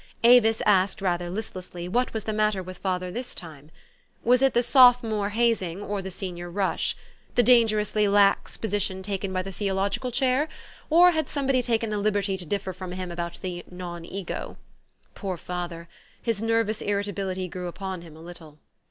Avis asked, rather listlessly, what was the matter with father this time ? Was it the sophomore haz 134 THE STOKY OF AVIS. ing, or the senior rush? the dangerously lax posi tion taken by the Theological Chair? or had some body taken the liberty to differ from him about the non ego ? Poor father ! His nervous irritability grew upon him a little.